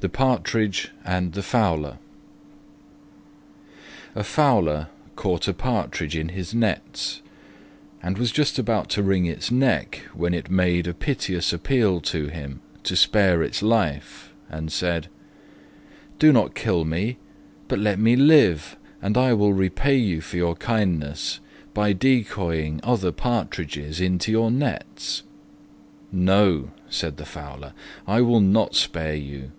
THE PARTRIDGE AND THE FOWLER A Fowler caught a Partridge in his nets, and was just about to wring its neck when it made a piteous appeal to him to spare its life and said, "Do not kill me, but let me live and I will repay you for your kindness by decoying other partridges into your nets." "No," said the Fowler, "I will not spare you.